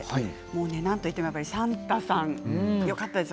なんといっても算太さんよかったですよ。